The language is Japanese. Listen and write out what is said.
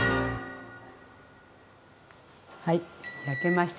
はい焼けました。